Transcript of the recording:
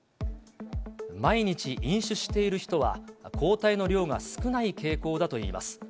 毎日飲酒している人は、抗体の量が少ない傾向だといいます。